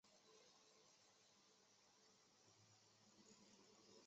死者亲属对检验结果有异。